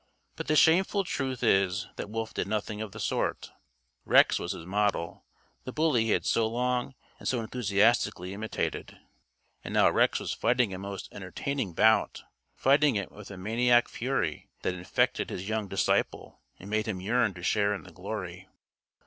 But the shameful truth is that Wolf did nothing of the sort. Rex was his model, the bully he had so long and so enthusiastically imitated. And now Rex was fighting a most entertaining bout, fighting it with a maniac fury that infected his young disciple and made him yearn to share in the glory.